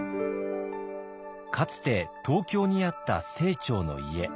かつて東京にあった清張の家。